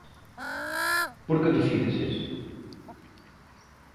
Por que dicides iso?